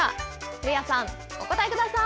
古谷さん、お答えください。